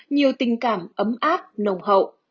nhiều tình cảm ấm áp nồng hậu